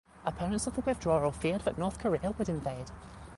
Opponents of the withdrawal feared that North Korea would invade.